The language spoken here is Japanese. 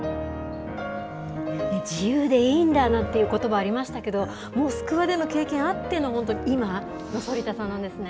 自由でいいんだなんていうことば、ありましたけど、モスクワでの経験あっての、本当に今の反田さんなんですね。